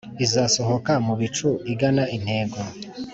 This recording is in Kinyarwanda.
izasohoke mu bicu igana intego.